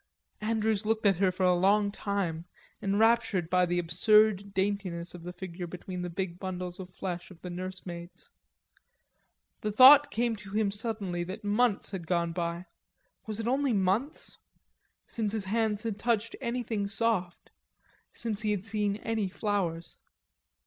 Andrews looked at her for a long time, enraptured by the absurd daintiness of the figure between the big bundles of flesh of the nursemaids. The thought came to him suddenly that months had gone by, was it only months? since his hands had touched anything soft, since he had seen any flowers.